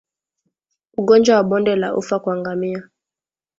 Ugonjwa wa bonde la ufa kwa ngamia